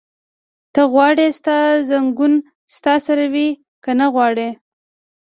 ته غواړې ستا ځنګون ستا سره وي؟ که نه غواړې؟